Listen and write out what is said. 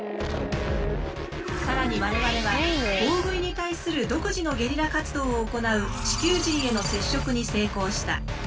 更に我々は大食いに対する独自のゲリラ活動を行う地球人への接触に成功した。